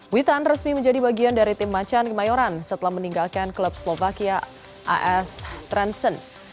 witan resmi menjadi bagian dari tim macan kemayoran setelah meninggalkan klub slovakia as transen